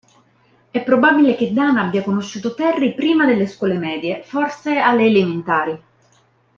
È probabile che Dana abbia conosciuto Terry, prima delle scuole medie, forse alle elementari.